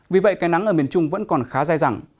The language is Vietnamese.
vì vậy cái nắng ở miền trung vẫn còn khá dài dẳng